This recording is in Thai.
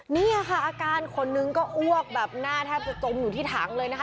นี่ค่ะอาการคนนึงก็อ้วกแบบหน้าแทบจะจมอยู่ที่ถังเลยนะคะ